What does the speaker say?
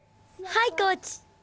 はいコーチ。